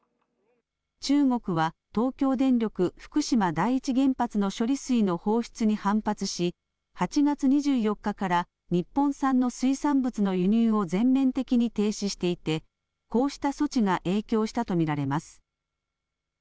中国は東京電力福島第一原発の処理水の放出に反発し８月２４日から日本産の水産物の輸入を全面的に停止していてこうした措置が影響したと見られます。